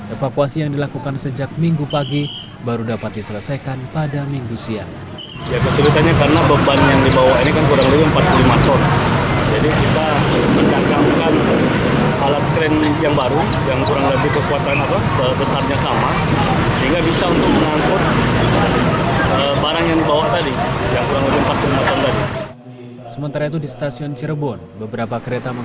evakuasi yang dilakukan sejak minggu pagi baru dapat diselesaikan pada minggu siang